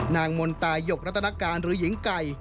นางมนตายหยกรัฐนาการหรือหญิงไก่